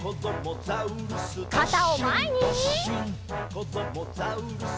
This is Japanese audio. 「こどもザウルス